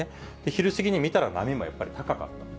昼過ぎに見たら、波もやっぱり高かったと。